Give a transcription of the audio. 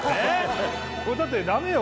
これだってダメよ